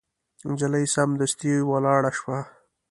نجلۍ سمدستي ولاړه شوه.